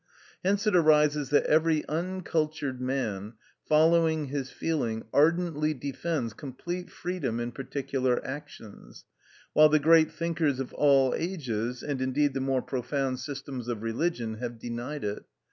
Hence it arises that every uncultured man, following his feeling, ardently defends complete freedom in particular actions, while the great thinkers of all ages, and indeed the more profound systems of religion, have denied it.